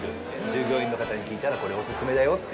従業員の方に聞いたらこれオススメだよって。